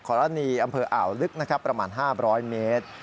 รณีอำเภออ่าวลึกนะครับประมาณ๕๐๐เมตร